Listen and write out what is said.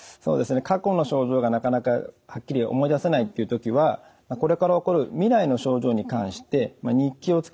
過去の症状がなかなかはっきり思い出せないっていう時はこれから起こる未来の症状に関して日記をつけていただくといいと思います。